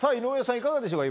いかがでしょうか